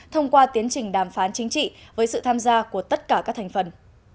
thông qua tiến trình đàm phán chính trị với sự tham gia của tất cả các thành phần